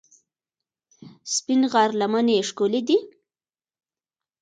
سپین غر لمنې ښکلې دي؟